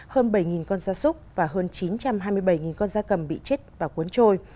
hơn bảy con da súc và hơn chín trăm hai mươi bảy con da cầm bị chết và cuốn trôi